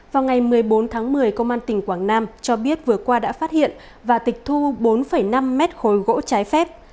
vào ngày một mươi bốn tháng một mươi công an tỉnh quảng nam cho biết vừa qua đã phát hiện và tịch thu bốn năm mét khối gỗ trái phép